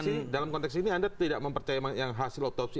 tapi dalam konteks ini anda tidak mempercaya yang hasil otopsi